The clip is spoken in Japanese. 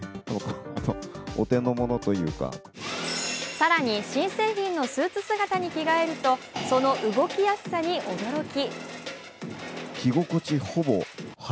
更に、新製品のスーツ姿に着替えるとその動きやすさに驚き。